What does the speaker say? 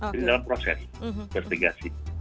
jadi dalam proses investigasi